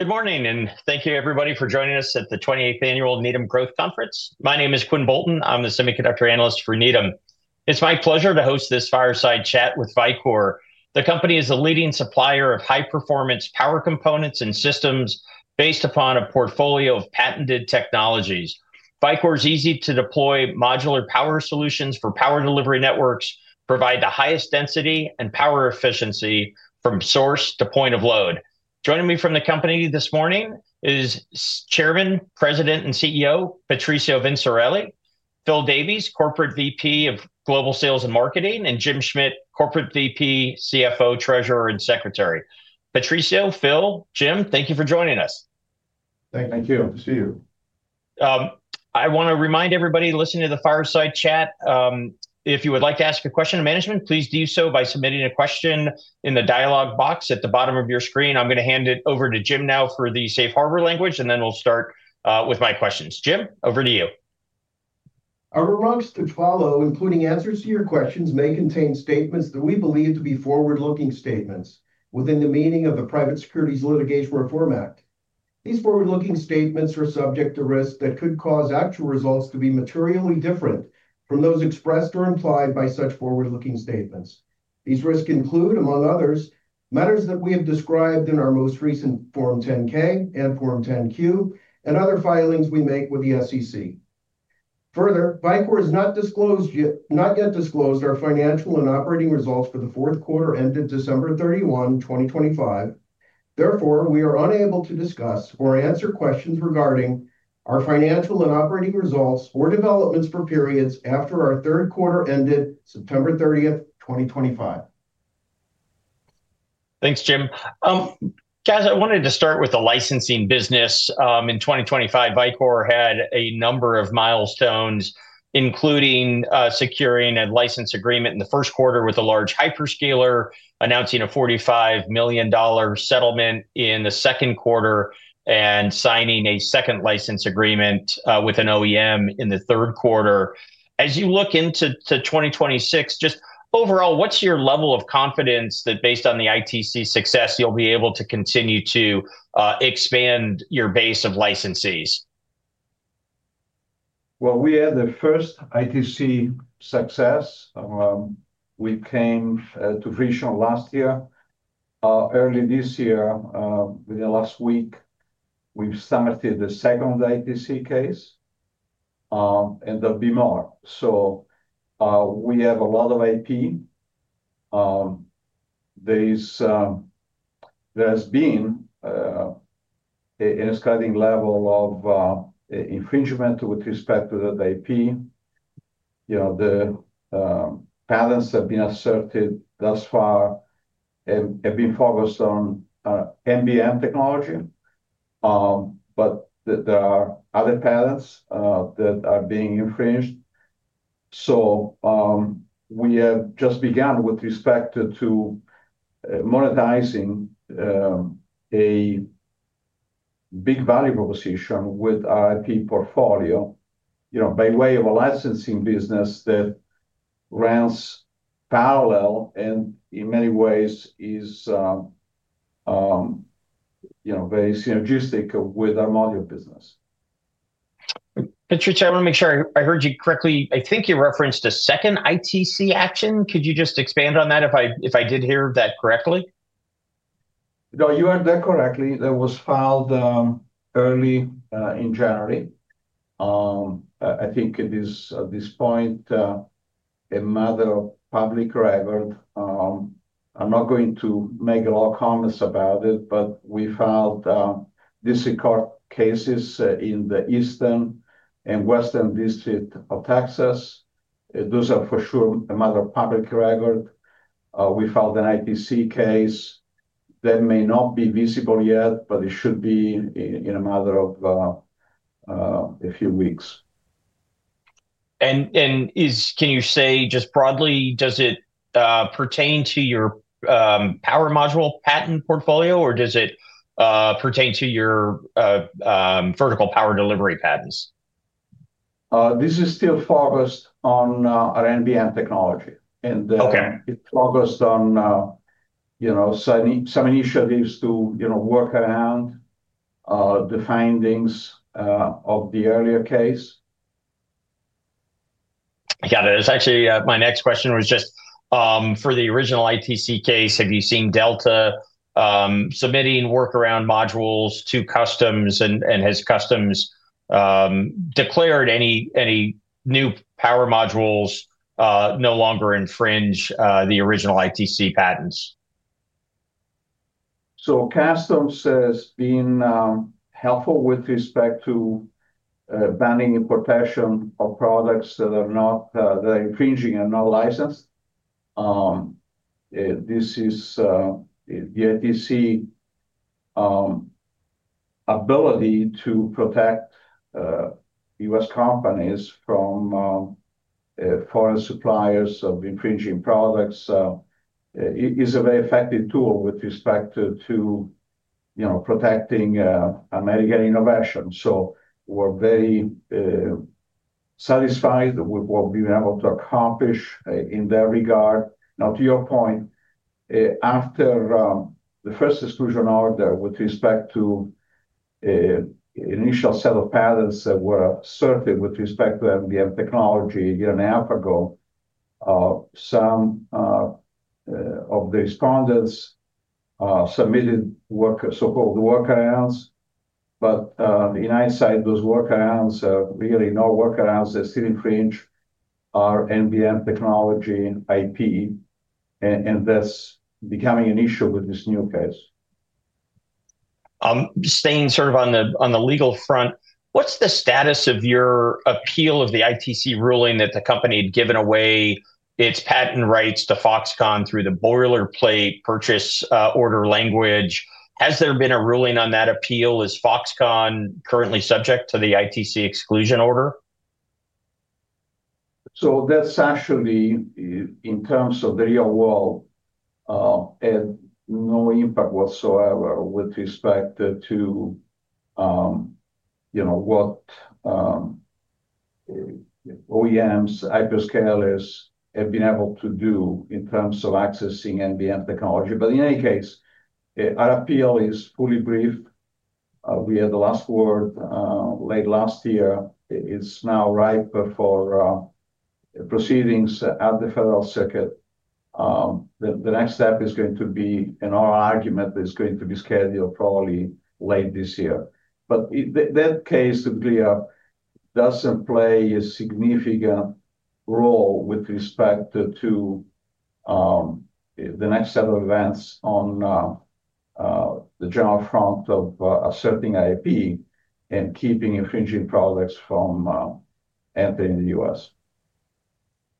Good morning, and thank you, everybody, for joining us at the 28th Annual Needham Growth Conference. My name is Quinn Bolton. I'm the Semiconductor Analyst for Needham. It's my pleasure to host this fireside chat with Vicor. The company is a leading supplier of high-performance power components and systems based upon a portfolio of patented technologies. Vicor's easy-to-deploy modular power solutions for power delivery networks provide the highest density and power efficiency from source to point of load. Joining me from the company this morning is Chairman, President, and CEO Patrizio Vinciarelli, Phil Davies, Corporate VP of Global Sales and Marketing, and Jim Schmidt, Corporate VP, CFO, Treasurer, and Secretary. Patrizio, Phil, Jim, thank you for joining us. Thank you. Good to see you. I want to remind everybody listening to the fireside chat, if you would like to ask a question to management, please do so by submitting a question in the dialog box at the bottom of your screen. I'm going to hand it over to Jim now for the safe harbor language, and then we'll start with my questions. Jim, over to you. Our remarks to follow, including answers to your questions, may contain statements that we believe to be forward-looking statements within the meaning of the Private Securities Litigation Reform Act. These forward-looking statements are subject to risks that could cause actual results to be materially different from those expressed or implied by such forward-looking statements. These risks include, among others, matters that we have described in our most recent Form 10-K and Form 10-Q, and other filings we make with the SEC. Further, Vicor has not yet disclosed our financial and operating results for the fourth quarter ended December 31, 2025. Therefore, we are unable to discuss or answer questions regarding our financial and operating results or developments for periods after our third quarter ended September 30, 2025. Thanks, Jim. Guys, I wanted to start with the licensing business. In 2025, Vicor had a number of milestones, including securing a license agreement in the first quarter with a large hyperscaler, announcing a $45 million settlement in the second quarter, and signing a second license agreement with an OEM in the third quarter. As you look into 2026, just overall, what's your level of confidence that based on the ITC success, you'll be able to continue to expand your base of licensees? We had the first ITC success. We came to fruition last year. Early this year, within the last week, we've started the second ITC case, and there'll be more. We have a lot of IP. There has been an exciting level of infringement with respect to that IP. The patents have been asserted thus far and have been focused on NBM technology, but there are other patents that are being infringed. We have just begun with respect to monetizing a big value proposition with our IP portfolio by way of a licensing business that runs parallel and in many ways is very synergistic with our module business. Patrizio, I want to make sure I heard you correctly. I think you referenced a second ITC action. Could you just expand on that if I did hear that correctly? No, you heard that correctly. That was filed early in January. I think it is at this point a matter of public record. I'm not going to make a lot of comments about it, but we filed district court cases in the Eastern and Western District of Texas. Those are for sure a matter of public record. We filed an ITC case that may not be visible yet, but it should be in a matter of a few weeks. And can you say just broadly, does it pertain to your power module patent portfolio, or does it pertain to your Vertical Power Delivery patents? This is still focused on our NBM technology, and it's focused on some initiatives to work around the findings of the earlier case. Yeah, that is actually my next question was just for the original ITC case. Have you seen Delta submitting workaround modules to Customs? And has Customs declared any new power modules no longer infringe the original ITC patents? So Customs has been helpful with respect to banning the importation of products that are infringing and not licensed. This, the ITC's ability to protect U.S. companies from foreign suppliers of infringing products, is a very effective tool with respect to protecting American innovation. So we're very satisfied with what we've been able to accomplish in that regard. Now, to your point, after the first exclusion order with respect to the initial set of patents that were asserted with respect to NBM technology a year and a half ago, some of the respondents submitted so-called workarounds. But in hindsight, those workarounds are really no workarounds. They still infringe our NBM technology IP, and that's becoming an issue with this new case. Staying sort of on the legal front, what's the status of your appeal of the ITC ruling that the company had given away its patent rights to Foxconn through the boilerplate purchase order language? Has there been a ruling on that appeal? Is Foxconn currently subject to the ITC exclusion order? So that's actually, in terms of the real world, had no impact whatsoever with respect to what OEMs, hyperscalers have been able to do in terms of accessing NBM technology. But in any case, our appeal is fully brief. We had the last word late last year. It's now ripe for proceedings at the Federal Circuit. The next step is going to be, in our argument, that it's going to be scheduled probably late this year. But that case, to be clear, doesn't play a significant role with respect to the next set of events on the general front of asserting IP and keeping infringing products from entering the U.S.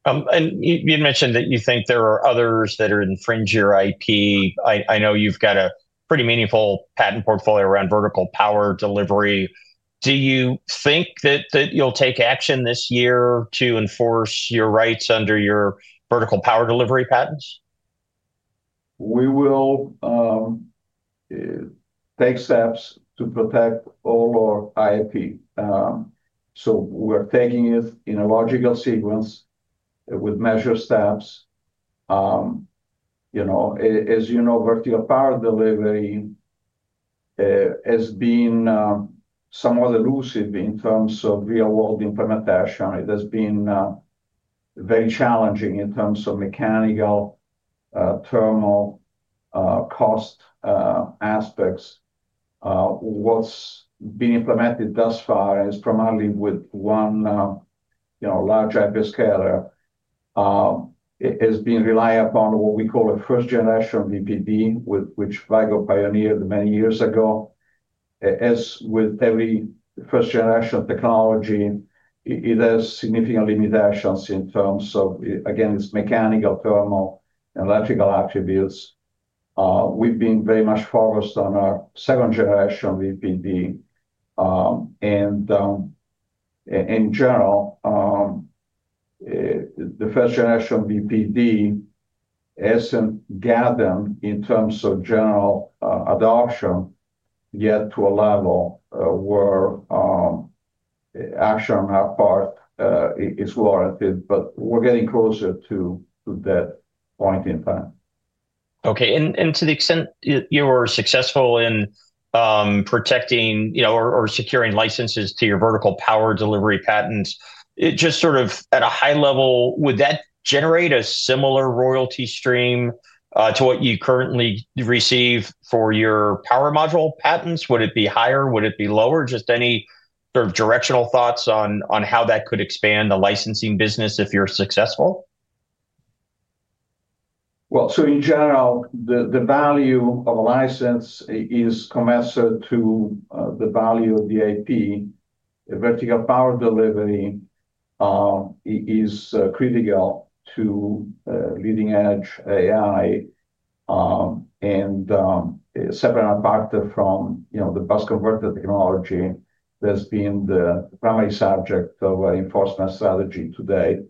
And you mentioned that you think there are others that are infringing your IP. I know you've got a pretty meaningful patent portfolio around Vertical Power Delivery. Do you think that you'll take action this year to enforce your rights under your Vertical Power Delivery patents? We will take steps to protect all our IP. So we're taking it in a logical sequence with measured steps. As you know, Vertical Power Delivery has been somewhat elusive in terms of real-world implementation. It has been very challenging in terms of mechanical, thermal cost aspects. What's been implemented thus far is primarily with one large hyperscaler. It has relied upon what we call a first-generation VPD, which Vicor pioneered many years ago. As with every first-generation technology, it has significant limitations in terms of, again, its mechanical, thermal, and electrical attributes. We've been very much focused on our 2nd generation VPD. In general, the first-generation VPD hasn't gathered steam in terms of general adoption yet to a level where action on our part is warranted, but we're getting closer to that point in time. Okay. And to the extent you were successful in protecting or securing licenses to your Vertical Power Delivery patents, just sort of at a high level, would that generate a similar royalty stream to what you currently receive for your power module patents? Would it be higher? Would it be lower? Just any sort of directional thoughts on how that could expand the licensing business if you're successful? In general, the value of a license is commensurate to the value of the IP. Vertical Power Delivery is critical to leading-edge AI and separate apart from the bus converter technology that's been the primary subject of our enforcement strategy today.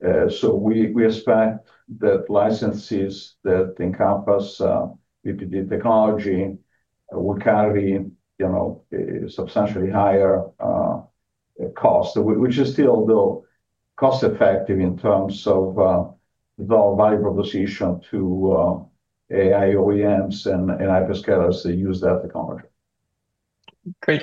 We expect that licenses that encompass VPD technology will carry substantially higher cost, which is still, though, cost-effective in terms of the value proposition to AI OEMs and hyperscalers that use that technology. Great.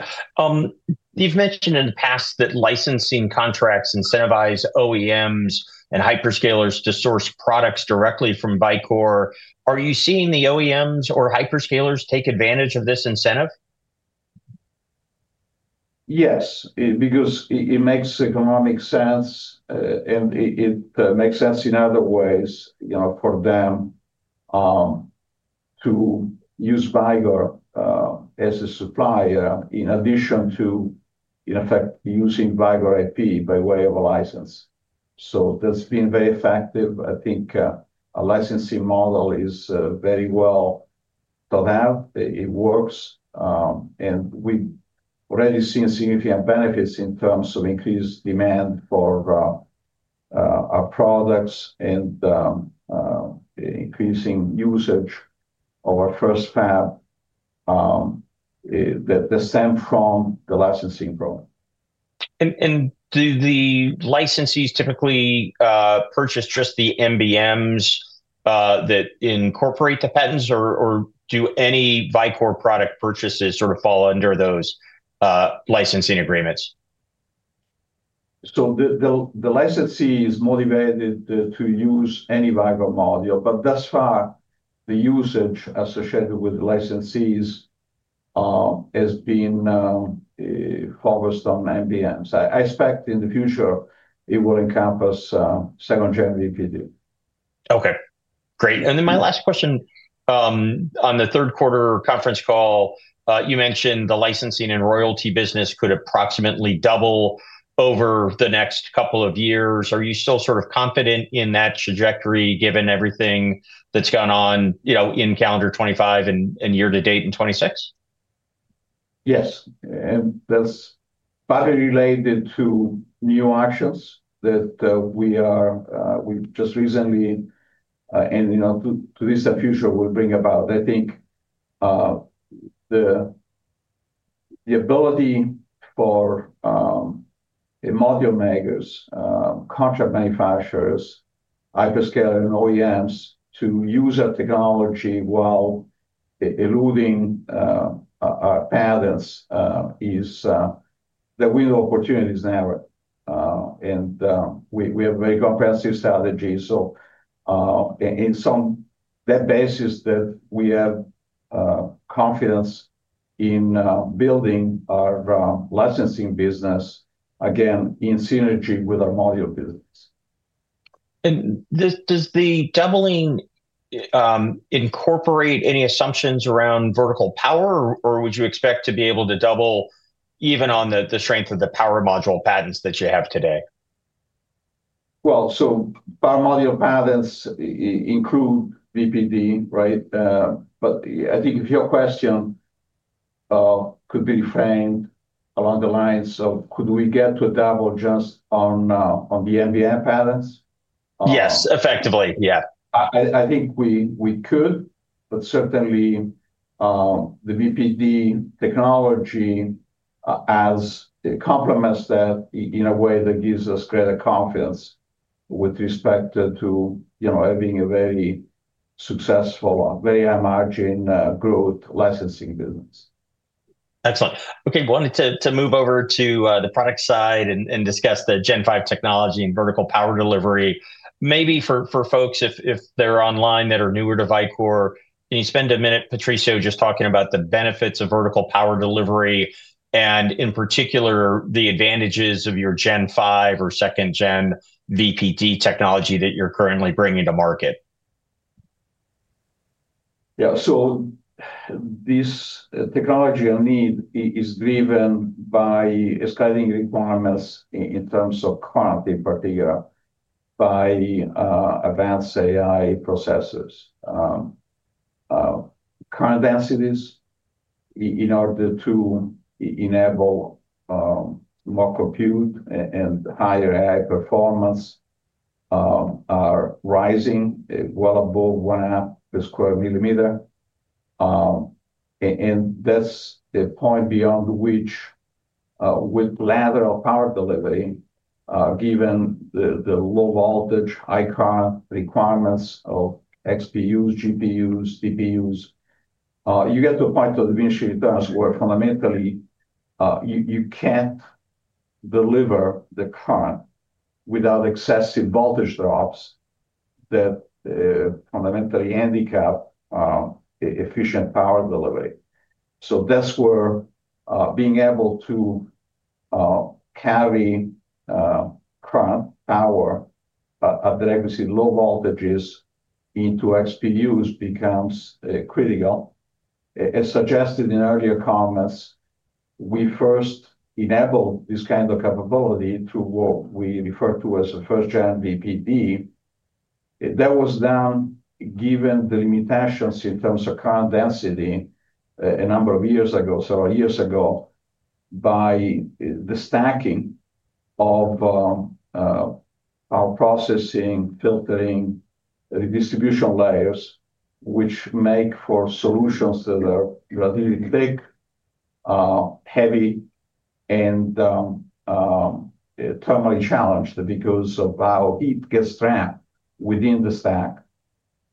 You've mentioned in the past that licensing contracts incentivize OEMs and hyperscalers to source products directly from Vicor. Are you seeing the OEMs or hyperscalers take advantage of this incentive? Yes, because it makes economic sense, and it makes sense in other ways for them to use Vicor as a supplier in addition to, in effect, using Vicor IP by way of a license. So that's been very effective. I think a licensing model is very well to have. It works. And we've already seen significant benefits in terms of increased demand for our products and increasing usage of our first fab that stem from the licensing program. Do the licensees typically purchase just the NBMs that incorporate the patents, or do any Vicor product purchases sort of fall under those licensing agreements? The licensee is motivated to use any Vicor module, but thus far, the usage associated with the licensees has been focused on NBMs. I expect in the future it will encompass 2nd-gen VPD. Okay. Great. And then my last question, on the third quarter conference call, you mentioned the licensing and royalty business could approximately double over the next couple of years. Are you still sort of confident in that trajectory given everything that's gone on in calendar 2025 and year to date in 2026? Yes. And that's partly related to new actions that we just recently and to this in the future will bring about. I think the ability for module makers, contract manufacturers, hyperscalers, and OEMs to use our technology while eluding our patents is the window of opportunity, is narrow. And we have a very comprehensive strategy. So on that basis, that we have confidence in building our licensing business, again, in synergy with our module business. Does the doubling incorporate any assumptions around vertical power, or would you expect to be able to double even on the strength of the power module patents that you have today? Power module patents include VPD, right? But I think if your question could be refined along the lines of, could we get to a double just on the NBM patents? Yes, effectively. Yeah. I think we could, but certainly the VPD technology has complements that in a way that gives us greater confidence with respect to having a very successful, very high-margin growth licensing business. Excellent. Okay. Well, I wanted to move over to the product side and discuss the Gen 5 technology and Vertical Power Delivery. Maybe for folks, if they're online that are newer to Vicor, can you spend a minute, Patrizio, just talking about the benefits of Vertical Power Delivery and in particular, the advantages of your Gen 5 or 2nd-gen VPD technology that you're currently bringing to market? Yeah. So this technology indeed is driven by escalating requirements in terms of quantity, in particular, by advanced AI processes. Current densities, in order to enable more compute and higher AI performance, are rising well above one amp per square millimeter. And that's the point beyond which, with lateral power delivery, given the low voltage, high current requirements of XPUs, GPUs, TPUs, you get to a point of diminishing returns where fundamentally you can't deliver the current without excessive voltage drops that fundamentally handicap efficient power delivery. So that's where being able to carry current power at low voltages into XPUs becomes critical. As suggested in earlier comments, we first enabled this kind of capability through what we refer to as a 1st-gen VPD. That was done given the limitations in terms of current density a number of years ago, several years ago, by the stacking of our processing, filtering, redistribution layers, which make for solutions that are relatively thick, heavy, and thermally challenged because of how heat gets trapped within the stack.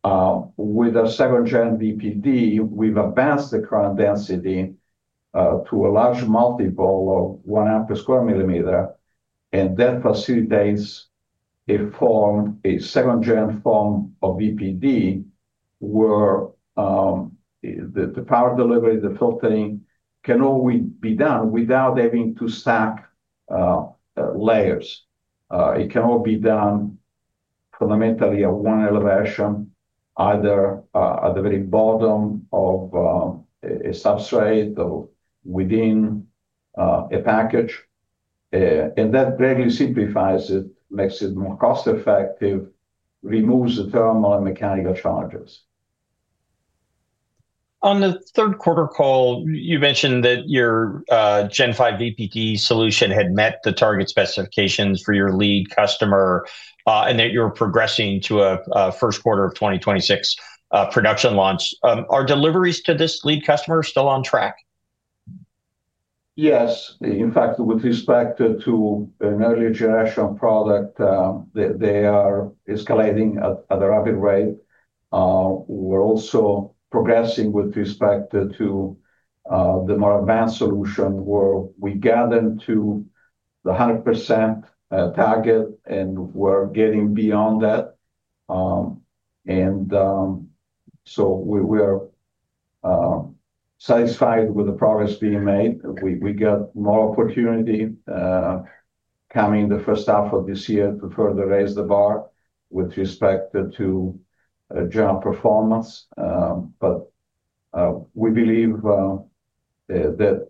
With our 2nd-gen VPD, we've advanced the current density to a large multiple of one amp per square millimeter. And that facilitates a 2nd-gen form of VPD where the power delivery, the filtering can all be done without having to stack layers. It can all be done fundamentally at one elevation, either at the very bottom of a substrate or within a package. And that greatly simplifies it, makes it more cost-effective, removes the thermal and mechanical challenges. On the third quarter call, you mentioned that your Gen 5 VPD solution had met the target specifications for your lead customer and that you're progressing to a first quarter of 2026 production launch. Are deliveries to this lead customer still on track? Yes. In fact, with respect to an earlier generation product, they are escalating at a rapid rate. We're also progressing with respect to the more advanced solution where we are getting to the 100% target and we're getting beyond that. And so we are satisfied with the progress being made. We got more opportunity coming the first half of this year to further raise the bar with respect to general performance. But we believe that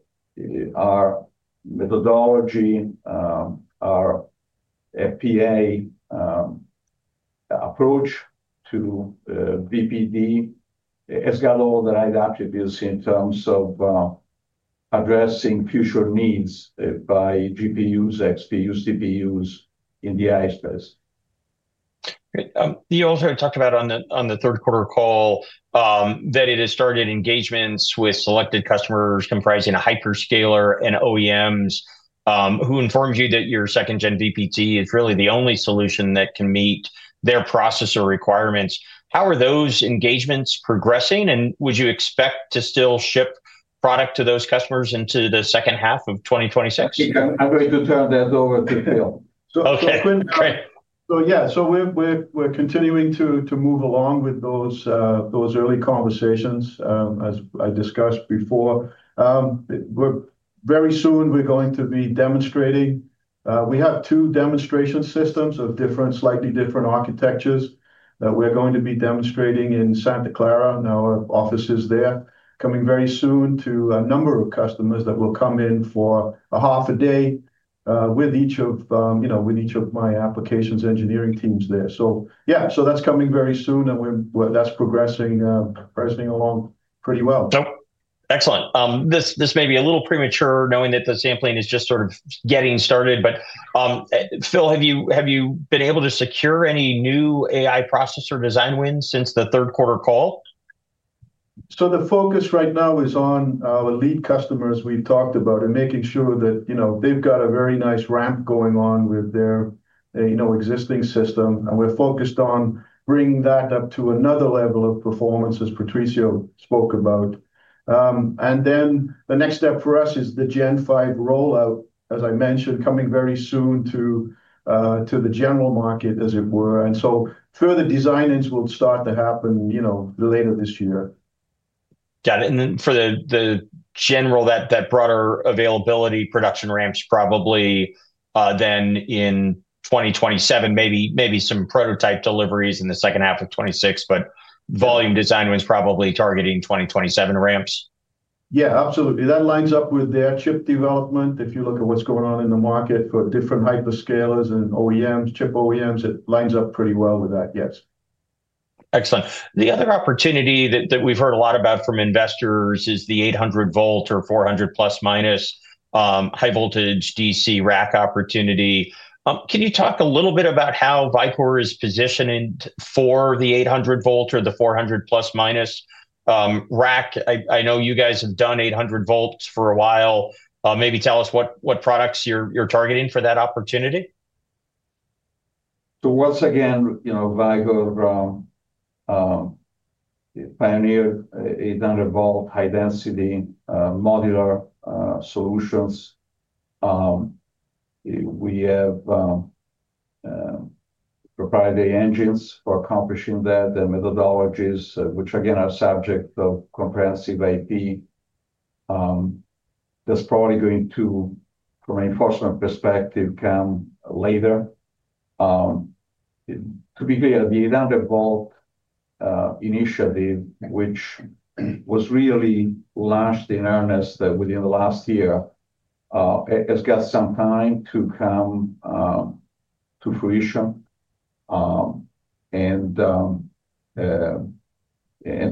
our methodology, our FPA approach to VPD has got all the right attributes in terms of addressing future needs by GPUs, XPUs, TPUs in the AI space. You also talked about on the third quarter call that it has started engagements with selected customers comprising a hyperscaler and OEMs who informed you that your 2nd-gen VPD is really the only solution that can meet their processor requirements. How are those engagements progressing? And would you expect to still ship product to those customers into the second half of 2026? I'm going to turn that over to Phil. Okay. Yeah, so we're continuing to move along with those early conversations, as I discussed before. Very soon, we're going to be demonstrating. We have two demonstration systems of slightly different architectures that we're going to be demonstrating in Santa Clara, our offices there, coming very soon to a number of customers that will come in for a half a day with each of my applications engineering teams there. Yeah, so that's coming very soon, and that's progressing along pretty well. Excellent. This may be a little premature knowing that the sampling is just sort of getting started. But Phil, have you been able to secure any new AI processor design wins since the third quarter call? So the focus right now is on our lead customers we've talked about and making sure that they've got a very nice ramp going on with their existing system. And we're focused on bringing that up to another level of performance, as Patrizio spoke about. And then the next step for us is the Gen 5 rollout, as I mentioned, coming very soon to the general market, as it were. And so further designs will start to happen later this year. Got it. And for the general that broader availability production ramps probably then in 2027, maybe some prototype deliveries in the second half of 2026, but volume design was probably targeting 2027 ramps. Yeah, absolutely. That lines up with their chip development. If you look at what's going on in the market for different hyperscalers and OEMs, chip OEMs, it lines up pretty well with that, yes. Excellent. The other opportunity that we've heard a lot about from investors is the 800-volt or 400± high-voltage DC rack opportunity. Can you talk a little bit about how Vicor is positioning for the 800-volt or the 400± rack? I know you guys have done 800-volts for a while. Maybe tell us what products you're targeting for that opportunity. So once again, Vicor pioneered 800-volt high-density modular solutions. We have proprietary engines for accomplishing that and methodologies, which again are subject to comprehensive IP. That's probably going to, from an enforcement perspective, come later. To be clear, the 800-volt initiative, which was really launched in earnest within the last year, has got some time to come to fruition. And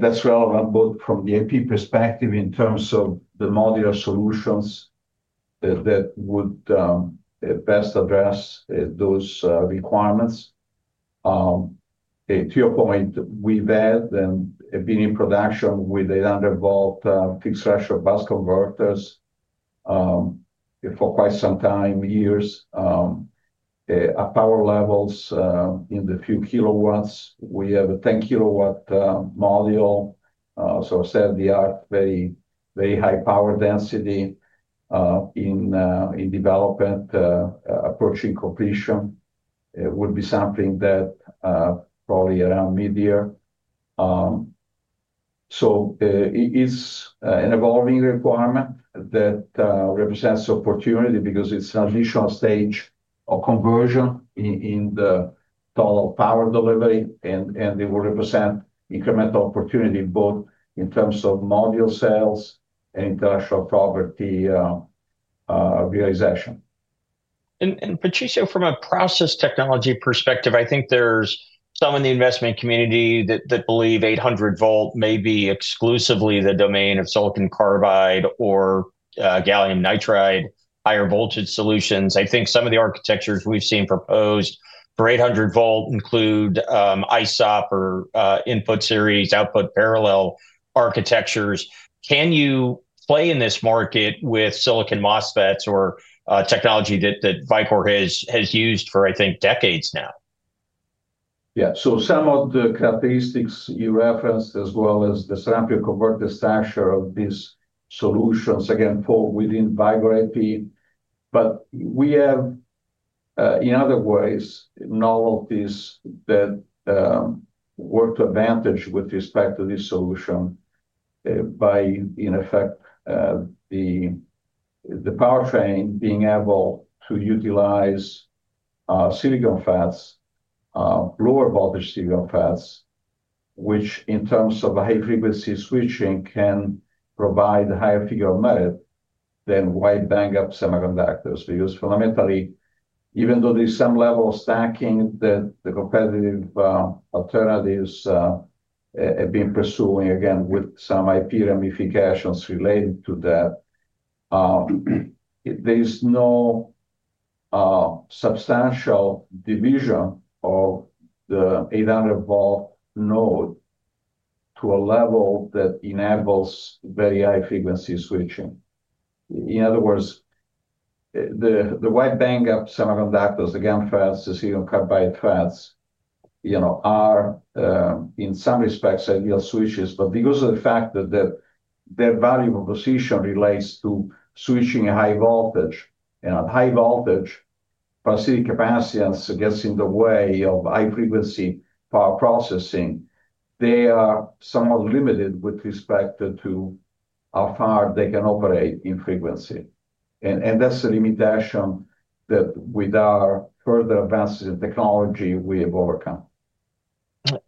that's relevant both from the IP perspective in terms of the modular solutions that would best address those requirements. To your point, we've had and been in production with 800-volt fixed threshold bus converters for quite some time, years. Our power levels in the few kilowatts. We have a 10 kW module. So state of the art, very high power density in development approaching completion would be something that probably around mid-year. It is an evolving requirement that represents opportunity because it's an additional stage of conversion in the total power delivery. It will represent incremental opportunity both in terms of module sales and intellectual property realization. Patrizio, from a process technology perspective, I think there's some in the investment community that believe 800-volt may be exclusively the domain of silicon carbide or gallium nitride higher voltage solutions. I think some of the architectures we've seen proposed for 800-volt include ISOP or input series output parallel architectures. Can you play in this market with silicon MOSFETs or technology that Vicor has used for, I think, decades now? Yeah. So some of the characteristics you referenced, as well as the sample converter structure of these solutions, again, fall within Vicor IP. But we have, in other words, novelties that work to advantage with respect to this solution by, in effect, the powertrain being able to utilize silicon FETs, lower voltage silicon FETs, which in terms of high-frequency switching can provide a higher figure of merit than wide-bandgap semiconductors. Because fundamentally, even though there's some level of stacking that the competitive alternatives have been pursuing, again, with some IP ramifications related to that, there is no substantial division of the 800-volt node to a level that enables very high-frequency switching. In other words, the wide-bandgap semiconductors, the GaN FETs, the silicon carbide FETs are, in some respects, ideal switches. But because of the fact that their value proposition relates to switching a high voltage, and at high voltage, capacitance gets in the way of high-frequency power processing, they are somewhat limited with respect to how far they can operate in frequency. And that's the limitation that with our further advances in technology, we have overcome.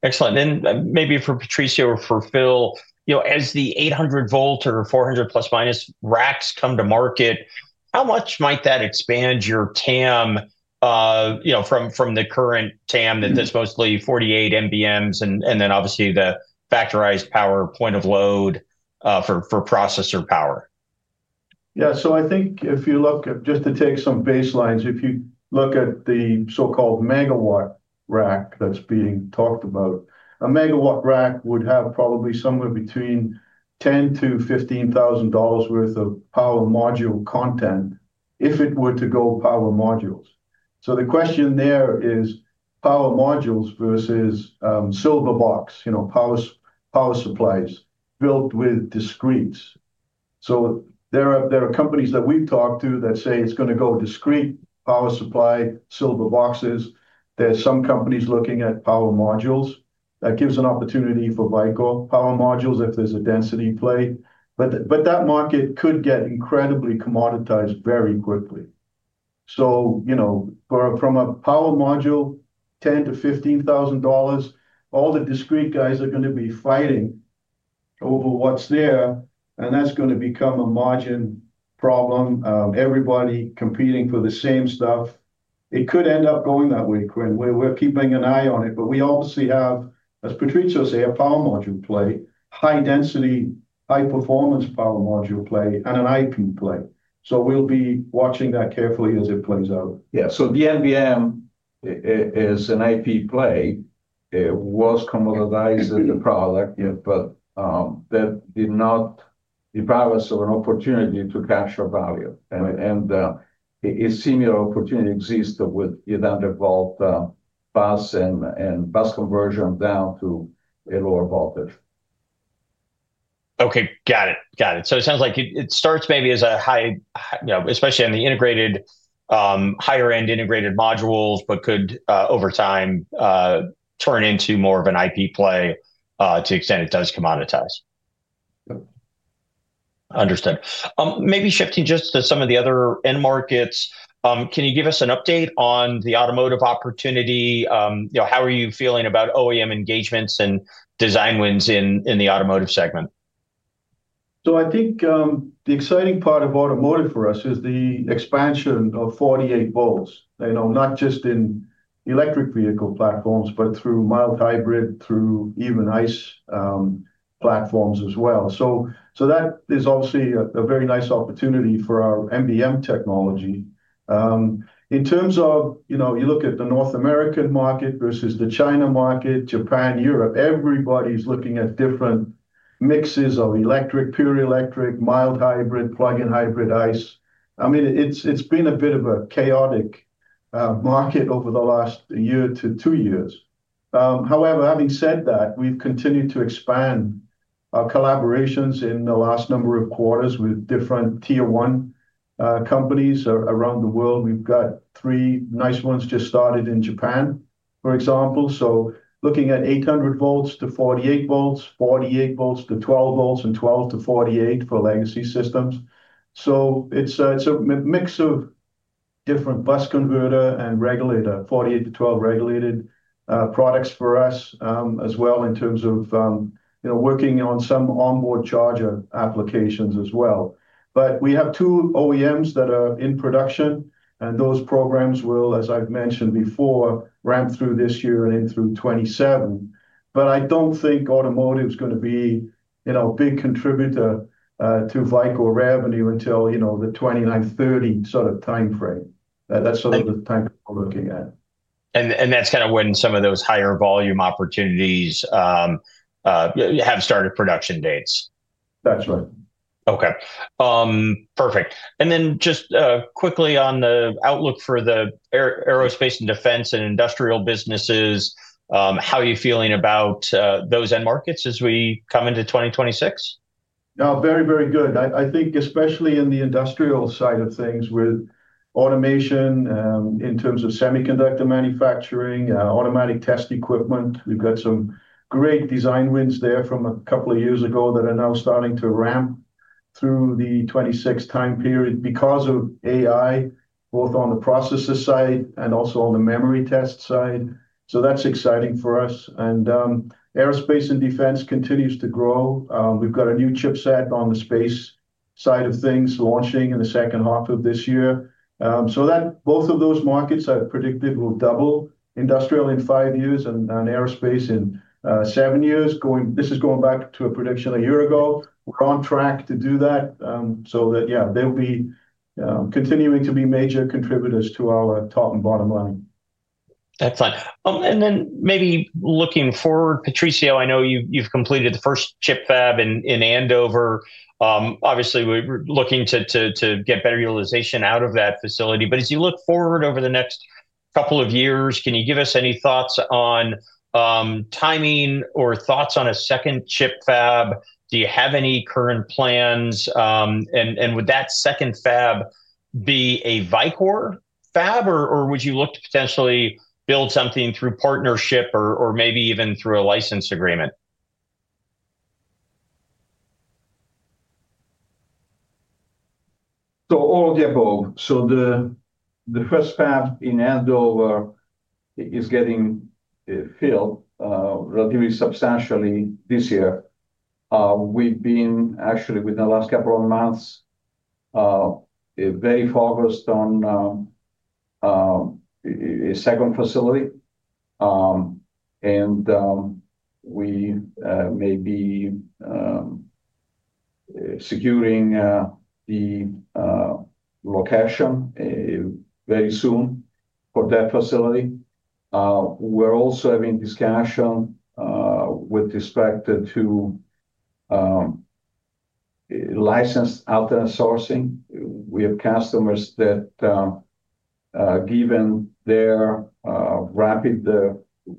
Excellent, and maybe for Patrizio or for Phil, as the 800-volt or 400± racks come to market, how much might that expand your TAM from the current TAM that's mostly 48 NBMs and then obviously the factorized power point of load for processor power? Yeah. So I think if you look, just to take some baselines, if you look at the so-called megawatt rack that's being talked about, a megawatt rack would have probably somewhere between $10,000-$15,000 worth of power module content if it were to go power modules. So the question there is power modules versus silver box, power supplies built with discretes. So there are companies that we've talked to that say it's going to go discrete power supply silver boxes. There's some companies looking at power modules. That gives an opportunity for Vicor power modules if there's a density play. But that market could get incredibly commoditized very quickly. So from a power module, $10,000-$15,000, all the discrete guys are going to be fighting over what's there, and that's going to become a margin problem. Everybody competing for the same stuff. It could end up going that way, Quinn. We're keeping an eye on it. But we obviously have, as Patrizio said, a power module play, high-density, high-performance power module play, and an IP play. So we'll be watching that carefully as it plays out. Yeah. So the NBM is an IP play. It was commoditized as a product, but that did not deprive an opportunity to capture value. And a similar opportunity exists with 800-volt bus and bus conversion down to a lower voltage. Okay. Got it. Got it. So it sounds like it starts maybe as a high, especially on the integrated higher-end integrated modules, but could over time turn into more of an IP play to the extent it does commoditize. Understood. Maybe shifting just to some of the other end markets, can you give us an update on the automotive opportunity? How are you feeling about OEM engagements and design wins in the automotive segment? I think the exciting part of automotive for us is the expansion of 48 volts, not just in electric vehicle platforms, but through mild hybrid, through even ICE platforms as well. That is obviously a very nice opportunity for our NBM technology. In terms of you look at the North American market versus the China market, Japan, Europe, everybody's looking at different mixes of electric, pure electric, mild hybrid, plug-in hybrid, ICE. I mean, it's been a bit of a chaotic market over the last year to two years. However, having said that, we've continued to expand our collaborations in the last number of quarters with different Tier 1 companies around the world. We've got three nice ones just started in Japan, for example. Looking at 800 volts to 48 volts, 48 volts to 12 volts, and 12 to 48 for legacy systems. So it's a mix of different bus converter and regulator, 48 to 12 regulated products for us as well in terms of working on some onboard charger applications as well. But we have two OEMs that are in production, and those programs will, as I've mentioned before, ramp through this year and in through 2027. But I don't think automotive is going to be a big contributor to Vicor revenue until the 2029, 2030 sort of time frame. That's sort of the time we're looking at. That's kind of when some of those higher volume opportunities have started production dates. That's right. Okay. Perfect. And then just quickly on the outlook for the aerospace and defense and industrial businesses, how are you feeling about those end markets as we come into 2026? Very, very good. I think especially in the industrial side of things with automation in terms of semiconductor manufacturing, automatic test equipment. We've got some great design wins there from a couple of years ago that are now starting to ramp through the 2026 time period because of AI, both on the processor side and also on the memory test side. So that's exciting for us, and aerospace and defense continues to grow. We've got a new chipset on the space side of things launching in the second half of this year. So both of those markets I've predicted will double: industrial in five years and aerospace in seven years. This is going back to a prediction a year ago. We're on track to do that, so yeah, they'll be continuing to be major contributors to our top and bottom line. Excellent. And then maybe looking forward, Patrizio, I know you've completed the first ChiP fab in Andover. Obviously, we're looking to get better utilization out of that facility. But as you look forward over the next couple of years, can you give us any thoughts on timing or thoughts on a second ChiP fab? Do you have any current plans? And would that second fab be a Vicor fab, or would you look to potentially build something through partnership or maybe even through a license agreement? So all of the above. So the first fab in Andover is getting filled relatively substantially this year. We've been actually within the last couple of months very focused on a second facility. And we may be securing the location very soon for that facility. We're also having discussion with respect to licensed alternate sourcing. We have customers that, given their rapid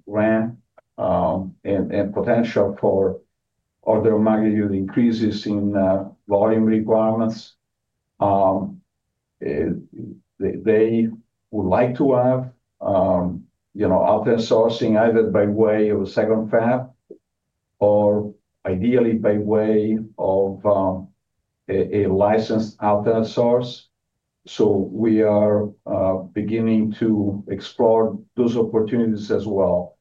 ramp and potential for other magnitude increases in volume requirements, they would like to have alternate sourcing either by way of a second fab or ideally by way of a licensed alternate source. So we are beginning to explore those opportunities as well.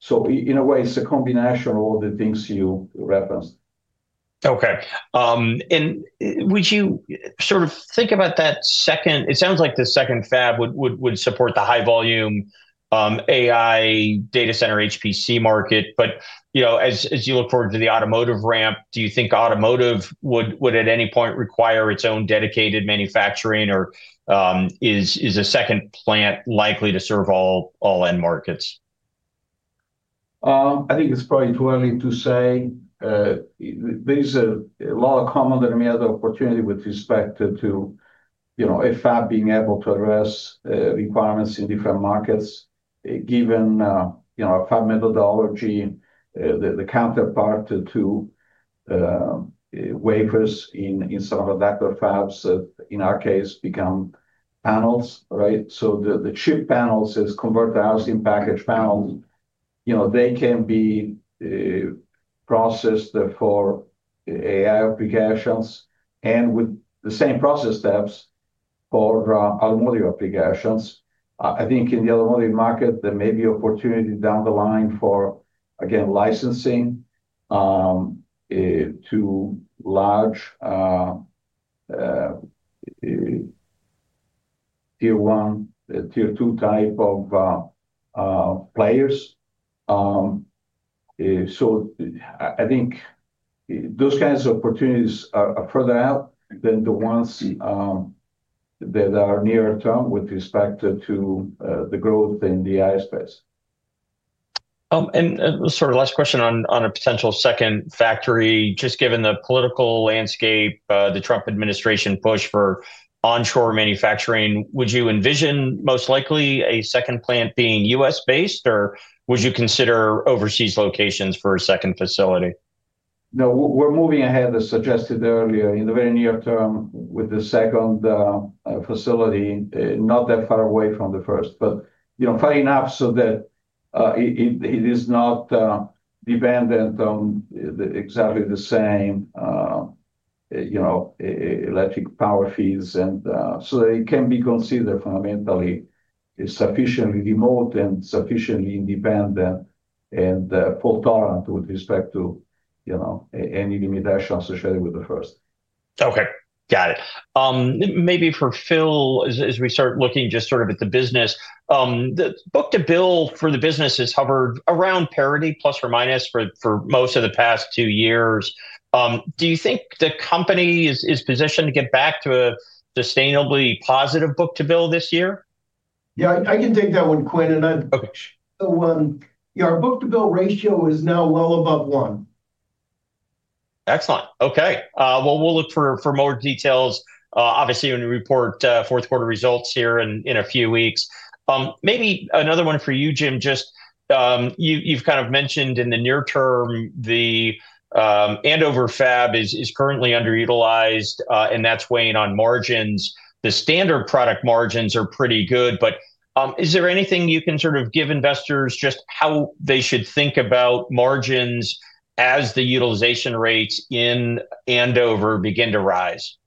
So in a way, it's a combination of all the things you referenced. Okay. And would you sort of think about that second? It sounds like the second fab would support the high-volume AI data center HPC market. But as you look forward to the automotive ramp, do you think automotive would at any point require its own dedicated manufacturing, or is a second plant likely to serve all end markets? I think it's probably too early to say. There's a lot of common denominator opportunity with respect to a fab being able to address requirements in different markets. Given a fab methodology, the counterpart to wafers in some of the adaptive fabs, in our case, become panels, right? So the ChiP panels is converted to in-package panels. They can be processed for AI applications and with the same process steps for automotive applications. I think in the automotive market, there may be opportunity down the line for, again, licensing to large Tier 1, Tier 2 type of players. So I think those kinds of opportunities are further out than the ones that are nearer term with respect to the growth in the AI space. And sort of last question on a potential second factory. Just given the political landscape, the Trump administration push for onshore manufacturing, would you envision most likely a second plant being U.S.-based, or would you consider overseas locations for a second facility? No, we're moving ahead as suggested earlier in the very near term with the second facility, not that far away from the first, but far enough so that it is not dependent on exactly the same electric power feeds, and so it can be considered fundamentally sufficiently remote and sufficiently independent and fault tolerant with respect to any limitations associated with the first. Okay. Got it. Maybe for Phil, as we start looking just sort of at the business, the book-to-bill for the business has hovered around parity plus or minus for most of the past two years. Do you think the company is positioned to get back to a sustainably positive book-to-bill this year? Yeah, I can take that one, Quinn. And so our book-to-bill ratio is now well above one. Excellent. Okay. Well, we'll look for more details, obviously, when we report fourth quarter results here in a few weeks. Maybe another one for you, Jim. Just you've kind of mentioned in the near term the Andover fab is currently underutilized, and that's weighing on margins. The standard product margins are pretty good, but is there anything you can sort of give investors just how they should think about margins as the utilization rates in Andover begin to rise?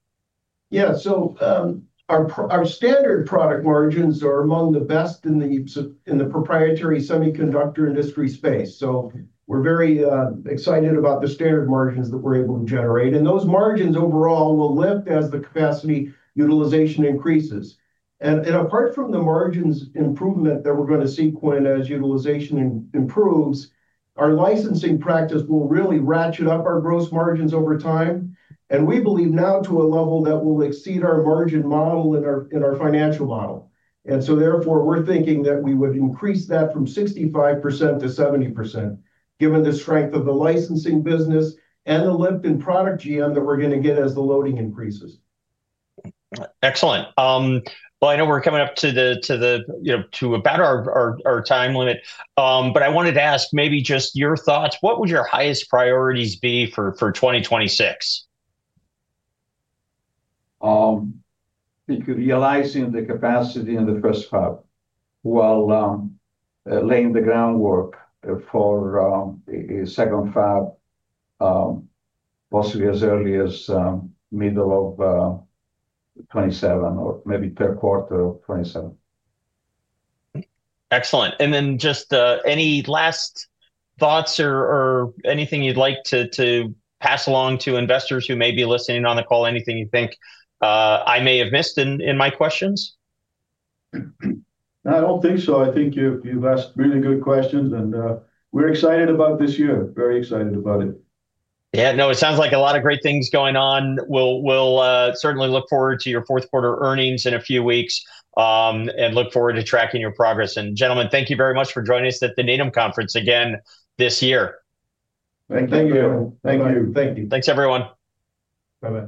Yeah. So our standard product margins are among the best in the proprietary semiconductor industry space. So we're very excited about the standard margins that we're able to generate. And those margins overall will lift as the capacity utilization increases. And apart from the margins improvement that we're going to see, Quinn, as utilization improves, our licensing practice will really ratchet up our gross margins over time. And we believe now to a level that will exceed our margin model in our financial model. And so therefore, we're thinking that we would increase that from 65% to 70%, given the strength of the licensing business and the lift in product GM that we're going to get as the loading increases. Excellent. Well, I know we're coming up to about our time limit, but I wanted to ask maybe just your thoughts. What would your highest priorities be for 2026? Realizing the capacity in the first fab while laying the groundwork for a second fab, possibly as early as middle of 2027 or maybe third quarter of 2027. Excellent. And then just any last thoughts or anything you'd like to pass along to investors who may be listening on the call? Anything you think I may have missed in my questions? No, I don't think so. I think you've asked really good questions, and we're excited about this year. Very excited about it. Yeah. No, it sounds like a lot of great things going on. We'll certainly look forward to your fourth quarter earnings in a few weeks and look forward to tracking your progress, and gentlemen, thank you very much for joining us at the Needham Conference again this year. Thank you. Thank you. Thank you. Thanks, everyone. Bye-bye.